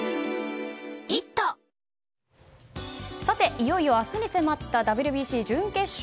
いよいよ明日に迫ったＷＢＣ準決勝。